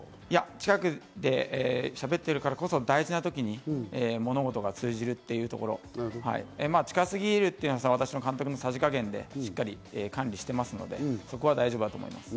近くでしゃべってるからこそ、大事な時に物事が通じること、近すぎるというのは私の監督のさじ加減でしっかり管理してますので、そこは大丈夫だと思います。